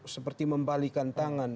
seperti membalikan tangan